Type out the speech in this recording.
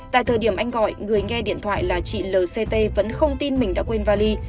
tại thời điểm anh gọi người nghe điện thoại là chị lct vẫn không tin mình đã quên vali